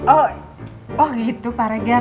oh oh gitu pak regar